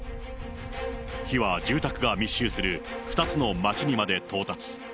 火は住宅が密集する２つの街にまで到達。